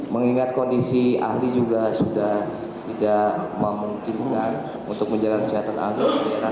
mengingat kondisi ahli juga sudah tidak memungkinkan untuk menjalankan kesehatan ahli